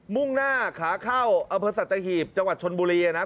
มุ่งหน้าขาเข้าอำเภอสัตหีบจังหวัดชนบุรีนะ